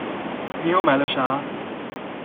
你又買了啥？